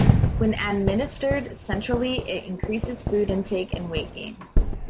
When administered centrally it increases food intake and weight gain.